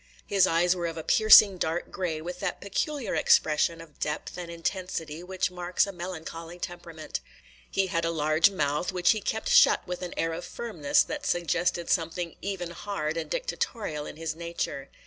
His eyes were of a piercing dark gray, with that peculiar expression of depth and intensity which marks a melancholy temperament. He had a large mouth, which he kept shut with an air of firmness that suggested something even hard and dictatorial in his nature.